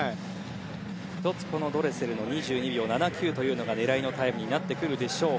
１つ、ドレセルの２２秒７９が狙いのタイムになってくるでしょう。